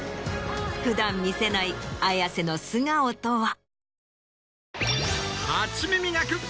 普段見せない綾瀬の素顔とは？